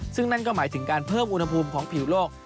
ซึ่งนั่นก็หมายถึงการเพิ่มอุณหภูมิของผิวโลก